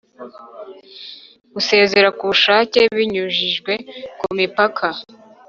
gusezera ku bushake binyujijwe ku mipaka